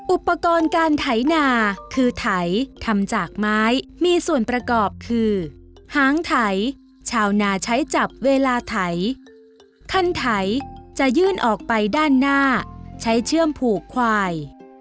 อุปกรณ์การไถนาคือไถทำจากไม้มีส่วนประกอบคือหางไถชาวนาใช้จับเวลาไถคันไถจะยื่นออกไปด้านหน้าใช้เชื่อมผูกควาย